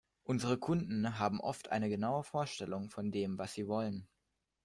Unsere Kunden haben oft eine genaue Vorstellung, von dem, was sie wollen.